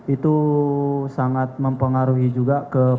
itu sangat mempengaruhi juga